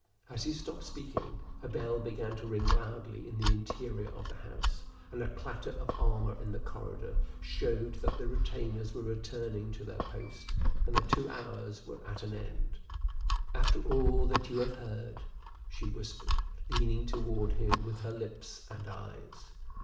As he stopped speaking, a bell began to ring loudly in the interior of the house; and a clatter of armor in the corridor showed that the retainers were returning to their post, and the two hours were at an end. "After all that you have heard?" she whispered, leaning toward him with her lips and eyes.